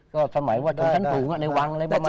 ก็สมัยว่าชนคันปูในวังอะไรประมาณนั้น